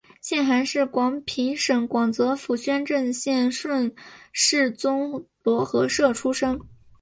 谢涵是广平省广泽府宣政县顺示总罗河社出生。